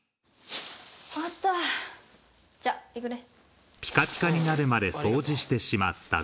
終わったじゃあ行くね。